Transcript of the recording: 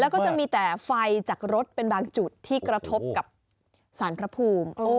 แล้วก็จะมีแต่ไฟจากรถเป็นบางจุดที่กระทบกับสารพระภูมิ